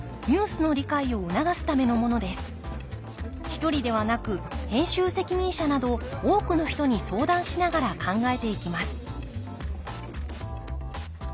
一人ではなく編集責任者など多くの人に相談しながら考えていきます